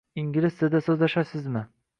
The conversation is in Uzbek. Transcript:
Ingliz tilida so'zlashasizmi?